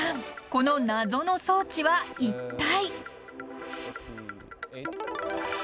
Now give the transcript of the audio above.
この謎の装置は一体？